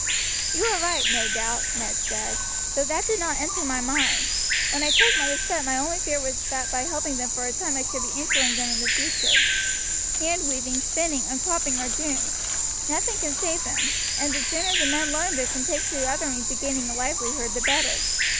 "You are right, no doubt," Ned said, "though that did not enter my mind. When I took the step my only fear was that by helping them for a time I might be injuring them in the future. Hand weaving, spinning, and cropping are doomed. Nothing can save them, and the sooner the men learn this and take to other means of gaining a livelihood the better.